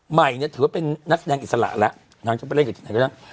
ใหม่เนี่ยถือว่าเป็นนักแสดงอิสระแล้วนางจะไปเล่นกับที่ไหนก็ได้